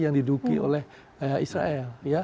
yang diduki oleh israel